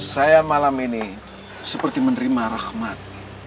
saya malam ini seperti menerima rahmat